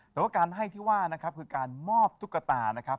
แต่ว่าการให้ที่ว่านะครับคือการมอบตุ๊กตานะครับ